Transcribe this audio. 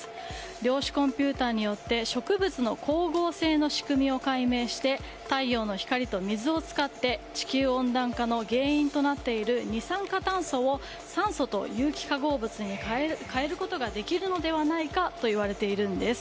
量子コンピューターによって植物の光合成の仕組みを解明して、太陽の光と水を使って地球温暖化の原因となっている二酸化炭素を酸素と有機化合物に変えることができるのではないかといわれているんです。